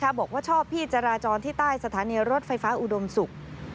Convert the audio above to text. บอกว่าชอบพี่จราจรที่ใต้สถานีรถไฟฟ้าอุดมศุกร์